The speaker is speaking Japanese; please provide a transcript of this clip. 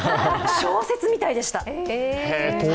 小説みたいでした。